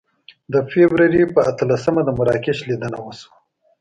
د فبروري په اتلسمه د مراکش لیدنه وه.